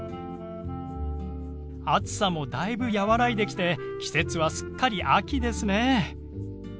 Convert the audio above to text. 暑さもだいぶ和らいできて季節はすっかり秋ですね。